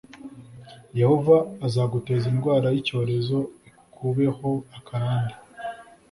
yehova azaguteza indwara y'icyorezo ikubeho akarande